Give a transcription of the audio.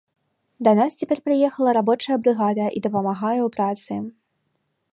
Да нас цяпер прыехала рабочая брыгада і дапамагае ў працы.